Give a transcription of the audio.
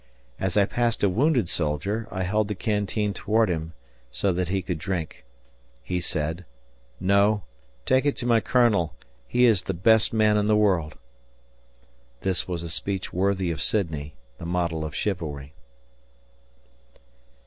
As I passed a wounded soldier, I held the canteen toward him so that he could drink. He said, "No, take it to my Colonel, he is the best man in the world." [This was a speech worthy of Sidney, the model of chivalry.